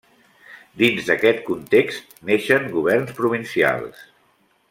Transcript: Dins d'aquest context neixen governs provincials.